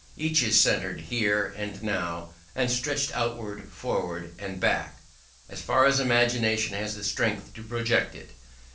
Each is centred here and now, and stretched outwards, forward, and back, as far as imagination has the strength to project it.